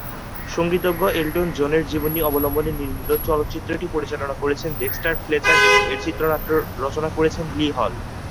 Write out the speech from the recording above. সঙ্গীতজ্ঞ Elton জনের জীবনী অবলম্বনে নির্মিত চলচ্চিত্রটি পরিচালনা করেছেন ডেক্সটার ফ্লেচার এবং এর চিত্রনাট্য রচনা করেছেন লি হল।